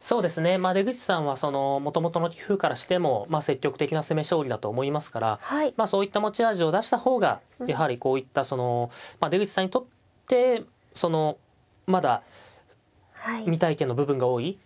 そうですねまあ出口さんはそのもともとの棋風からしてもまあ積極的な攻め将棋だと思いますからまあそういった持ち味を出した方がやはりこういったその出口さんにとってまだ未体験の部分が多い